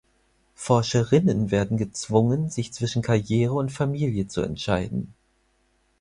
Forscherinnen werden gezwungen, sich zwischen Karriere und Familie zu entscheiden.